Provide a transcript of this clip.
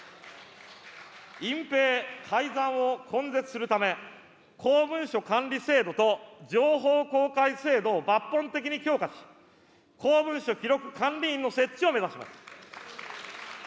隠蔽、改ざんを根絶するため、公文書管理制度と情報公開制度を抜本的に強化し、公文書記録管理院の設置を目指します。